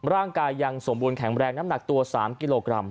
ร่างกายยังสมบูรณแข็งแรงน้ำหนักตัว๓กิโลกรัม